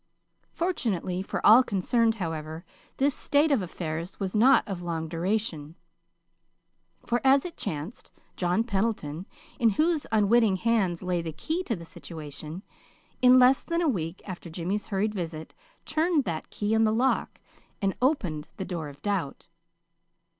Fortunately for all concerned, however, this state of affairs was not of long duration; for, as it chanced, John Pendleton, in whose unwitting hands lay the key to the situation, in less than a week after Jimmy's hurried visit, turned that key in the lock, and opened the door of doubt.